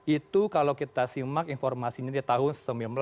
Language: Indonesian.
itu kalau kita simak informasinya di tahun seribu sembilan ratus sembilan puluh